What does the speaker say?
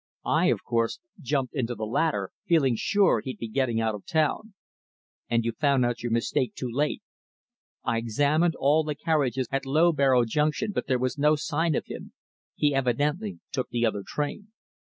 I, of course, jumped into the latter, feeling sure he'd be going out of town." "And you found out your mistake too late?" "I examined all the carriages at Loughborough Junction, but there was no sign of him. He evidently took the other train."